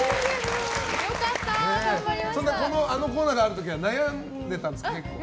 あのコーナーがある時は悩んでいたんですか、結構。